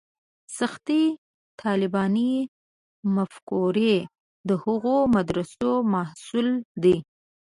سختې طالباني مفکورې د هغو مدرسو محصول دي.